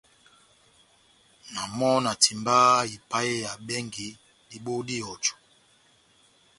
Na mɔ na timbaha ipaheya bɛngi dibohó dá ihɔjɔ.